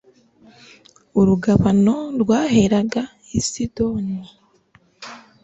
urugabano rwaheraga i sidoni